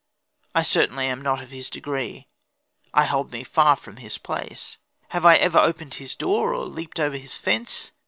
I certainly am not of his degree, I hold me far from his place. Have I ever opened his door, or leaped over his fence?